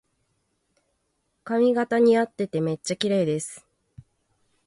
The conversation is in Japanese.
髪型にあっててめっちゃきれいです